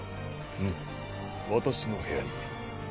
うむ私の部屋に。